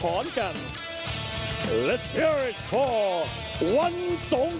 สร้างการที่กระทะนัก